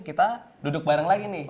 kita duduk bareng lagi nih